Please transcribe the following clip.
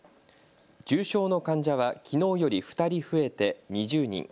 重症の患者はきのうより２人増えて２０人。